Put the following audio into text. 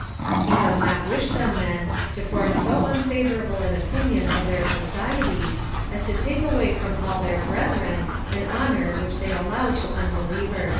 He does not wish them, then, to form so unfavourable an opinion of their society, as to take away from all their brethren an honour which they allow to unbelievers.